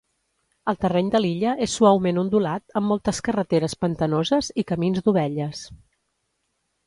El terreny de l'illa és suaument ondulat amb moltes carreteres pantanoses i camins d'ovelles.